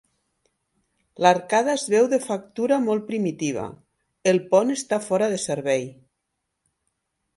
L'arcada es veu de factura molt primitiva, el pont està fora de servei.